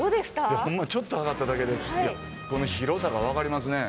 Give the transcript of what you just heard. いやほんまにちょっと上がっただけでこの広さが分かりますね。